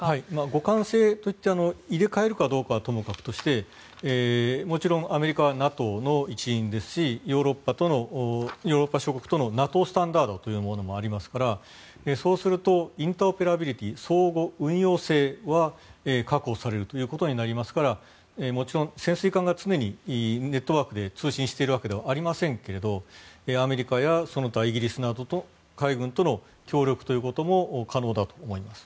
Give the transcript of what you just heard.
互換性といって入れ替えるかどうかはともかくとしてもちろん、アメリカはＮＡＴＯの一員ですしヨーロッパ諸国とのＮＡＴＯスタンダードというものもありますからそうするとインターオペラビリティー相互運用性は確保できることになりますから潜水艦が常にネットワークで通信しているわけではないですがアメリカやその他イギリスなどの海軍との協力ということも可能だと思います。